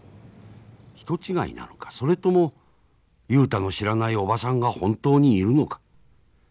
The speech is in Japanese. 人違いなのかそれとも雄太の知らないおばさんが本当にいるのか。